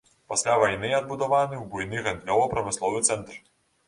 Пасля вайны адбудаваны ў буйны гандлёва-прамысловы цэнтр.